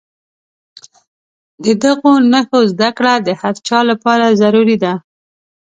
د دغو نښو زده کړه د هر چا لپاره ضروري ده.